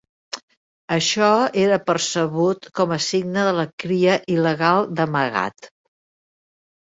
Això era percebut com a signe de la cria il·legal d'amagat.